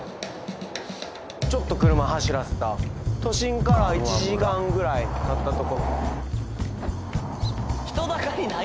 ちょっと車走らせた都心から１時間ぐらいたったとこ人だかりない